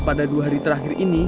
pada dua hari terakhir ini